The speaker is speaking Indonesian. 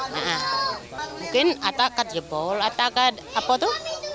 mungkin ada yang jepol ada yang apa itu